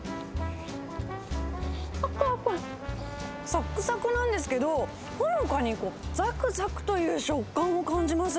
さっくさくなんですけど、ほのかにざくざくという食感も感じます。